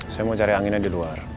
saya mau cari anginnya di luar